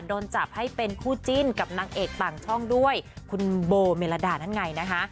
โดนจับให้เป็นคู่จิ้นกับนางเอกต่างช่องด้วยคุณโบเมลดานั่นไงนะคะ